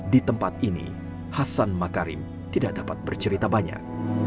di tempat ini hasan makarim tidak dapat bercerita banyak